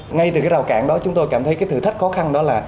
ngay từ cái rào cản đó chúng tôi cảm thấy cái thử thách khó khăn đó là